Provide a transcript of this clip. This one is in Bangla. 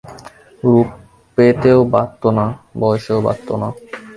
রূপেতেও বাধত না, বয়সেও বাধত না।